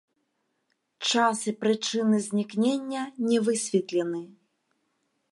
Час і прычыны знікнення не высветлены.